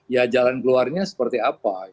ya jalan keluarnya seperti apa